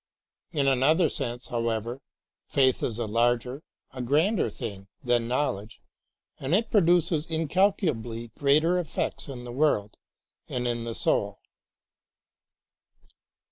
In another sense, how ever, faith is a larger, a grander thing than knowledge, and it produces incalculably greater effects in the world and in the soul.